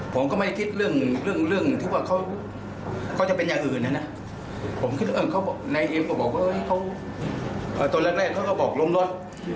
ผมก็ไม่คิดเรื่องที่ว่าเขาจะเป็นอย่างอื่นนะนะผมคิดว่านายเอ็มก็บอกว่าตอนแรกเขาก็บอกลงรถ